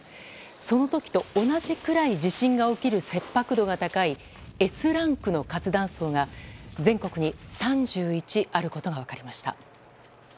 その時と同じくらい地震が起きる切迫度が高いＳランクの活断層が全国に３１あることが分かりました。